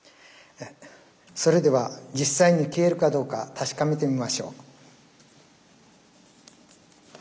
それでは実際に消えるかどうか確かめてみましょう。